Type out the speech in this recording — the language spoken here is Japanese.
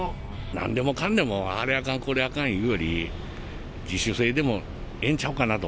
なんでもかんでも、あれあかん、これあかんいうより、自主性でもええんちゃうかなと。